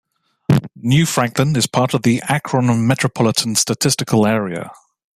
New Franklin is part of the Akron Metropolitan Statistical Area.